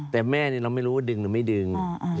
แต่แม่เราไม่รู้ว่าดึงหรือไม่ดึง